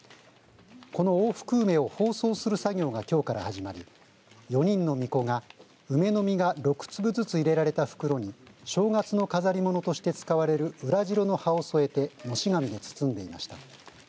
この大福梅を包装する作業がきょうから始まり４人のみこが梅の実が６粒ずつ入れられた袋に正月の飾り物として使われる裏白の葉を添えてのし紙で包んでいました。